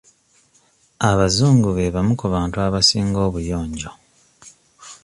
Abazungu be bamu ku bantu abasinga obuyonjo.